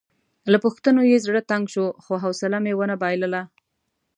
له پوښتنو یې زړه تنګ شو خو حوصله مې ونه بایلله.